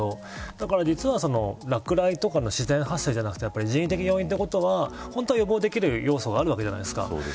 実は落雷とかの自然発生じゃなくて人的要因ってことは本当は予防できる要素があるわけじゃないですか。